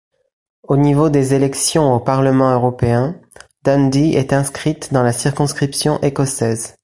Au niveau des élections au Parlement européen, Dundee est inscrite dans la Circonscription écossaise.